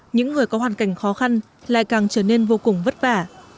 những người có hoàn cảnh khó khăn lại càng trở nên vô cùng vất vả